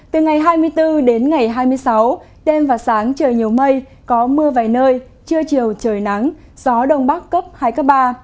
từ ngày hai mươi bốn đến ngày hai mươi sáu đêm và sáng trời nhiều mây có mưa vài nơi trưa chiều trời nắng gió đông bắc cấp hai cấp ba